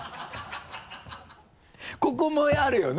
ここもあるよね